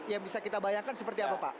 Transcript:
yang bisa kita bayangkan seperti apa pak